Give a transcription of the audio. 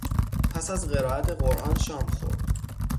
پس از قرائت قرآن شام خورد.